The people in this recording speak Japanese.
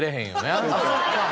あっそっか。